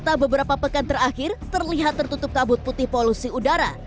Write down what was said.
beberapa pekan terakhir terlihat tertutup kabut putih polusi udara